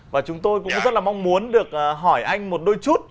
và chúng tôi cũng rất là mong muốn được hỏi anh một đôi chút